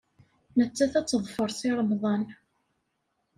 Nettat ad teḍfer Si Remḍan.